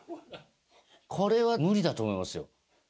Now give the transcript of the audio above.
これは無理だと思いますよ。